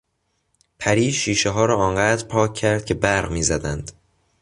پری شیشهها را آنقدر پاک کرد که برق میزدند.